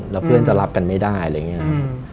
แล้วเพื่อนจะรับกันไม่ได้อะไรอย่างนี้นะครับ